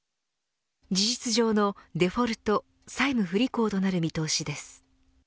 事実上のデフォルト債務不履行となる見通しです。